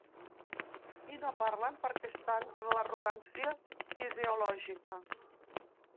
I no parlen perquè estan en l’arrogància ideològica.